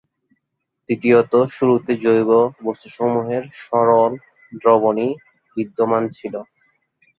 তৃতীয়ত, শুরুতে জৈব বস্তুসমূহের সরল দ্রবণ-ই বিদ্যমান ছিল।